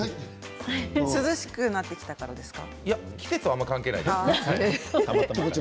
涼しくなってきたからですか？